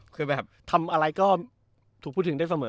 คือแบบทำอะไรก็ถูกพูดถึงได้เสมอ